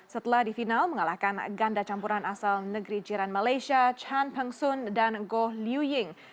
setelah di final mengalahkan ganda campuran asal negeri jiran malaysia chan pengsun dan goh liu ying